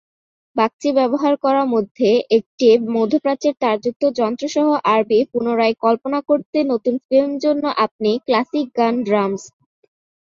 বাগচী ব্যবহার করা মধ্যে, একটি মধ্যপ্রাচ্যের, তারযুক্ত যন্ত্র সহ আরবি পুনরায় কল্পনা করতে নতুন ফিল্ম জন্য আপনি ক্লাসিক গান ড্রামস।